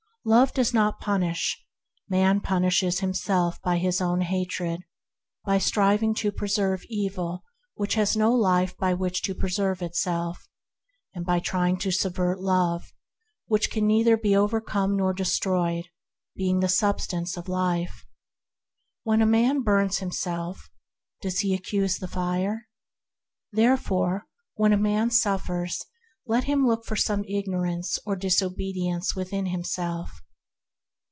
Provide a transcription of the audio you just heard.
Love does not punish; man punishes himself by his own hatred; by striving to preserve evil that has no life by which to preserve itself, and by trying to subvert Love, which can neither be overcome nor destroyed, being of the sub stance of Life. When a man burns himself, does he accuse the fire ? Therefore when a man suffers, let him look for some ignorance or disobedience within himself.